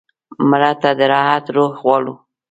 مړه ته د راحت روح غواړو